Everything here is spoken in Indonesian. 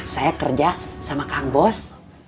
saya kerja sama kang bos